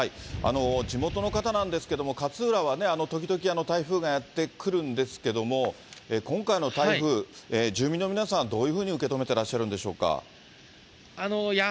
地元の方なんですけども、勝浦は時々台風がやって来るんですけれども、今回の台風、住民の皆さんは、どういうふうに受け止めてらっしゃるんでしょうか。